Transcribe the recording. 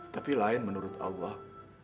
tapi lain menurut allah